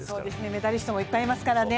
メダリストもいっぱいいますからね。